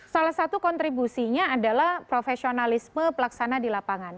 salah satu kontribusinya adalah profesionalisme pelaksana di lapangan